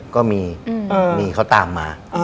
ก็มีเขาตามมา